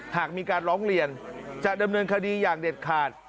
หากมีการร้องเรียนจะดำเนินคดีอย่างเด็ดขาด